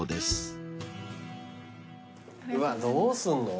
うわどうすんの？